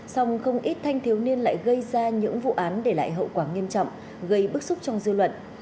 song không ít thanh thiếu niên lại gây ra những vụ án để lại hậu quả nghiêm trọng gây bức xúc trong dư luận